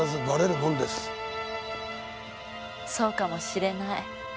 そうかもしれない。